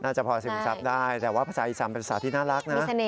จะพอซึมซับได้แต่ว่าภาษาอีสานเป็นภาษาที่น่ารักนะ